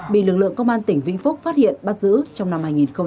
bị lực lượng công an tỉnh vĩnh phúc phát hiện bắt giữ trong năm hai nghìn hai mươi ba